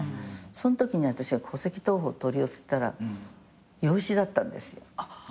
そんときに私は戸籍謄本取り寄せたら養子だったんですよ。